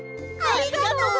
ありがとう！